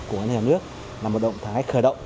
điều hành của nhà nước là một động thái khởi động